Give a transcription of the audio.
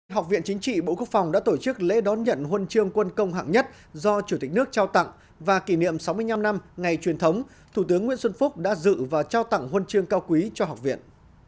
học viện chính trị bộ quốc phòng đã tổ chức lễ đón nhận huân chương quân công hạng nhất do chủ tịch nước trao tặng và kỷ niệm sáu mươi năm năm ngày truyền thống thủ tướng nguyễn xuân phúc đã dự và trao tặng huân chương cao quý cho học viện